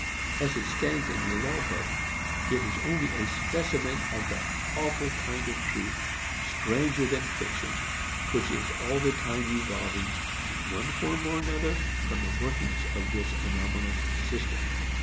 As it stands in the law book, it is only a specimen of that awful kind of truth, stranger than fiction, which is all the time evolving, in one form or another, from the workings of this anomalous system.